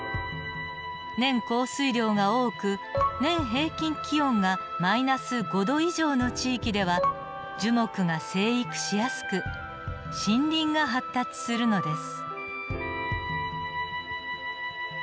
年降水量が多く年平均気温が−５℃以上の地域では樹木が生育しやすく森林が発達するのです。